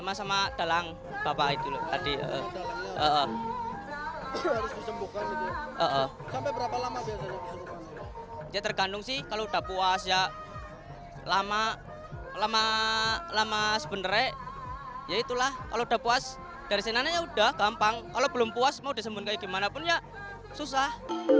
kalau udah puas dari senananya ya udah gampang kalau belum puas mau disembuhkan kayak gimana pun ya susah